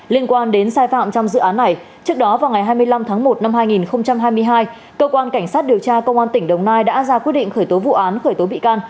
liên quan đến sai phạm trong dự án này trước đó vào ngày hai mươi năm tháng một năm hai nghìn hai mươi hai cơ quan cảnh sát điều tra công an tỉnh đồng nai đã ra quyết định khởi tố vụ án khởi tố bị can